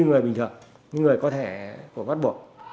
người bình thường người có thẻ của bắt buộc